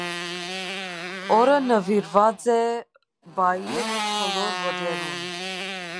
Օրը նուիրուած է պաիր բոլոր ոճերուն։